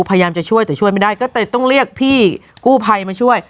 พยายามจะช่วยแต่ช่วยไม่ได้ก็เลยต้องเรียกพี่กู้ภัยมาช่วย